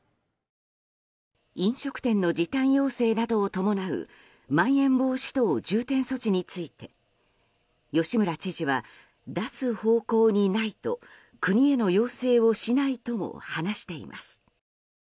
飲食店の時短要請などを伴うまん延防止等重点措置について吉村知事は出す方向にないと国への要請をしないとも話しています。